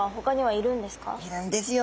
いるんですよ。